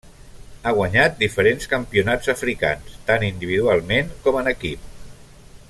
Ha guanyat diferents campionats africans, tant individualment com en equip.